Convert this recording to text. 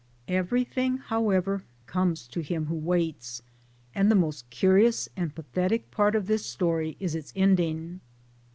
" Everything however comes to him who waits "; and the most curious and pathetic part of this story is its ending.